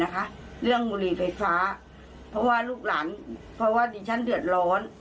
เพราะว่าลูกหลานเพราะว่าดิฉันเผื่อร้อน